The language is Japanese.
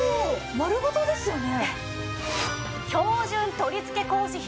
丸ごとですよね？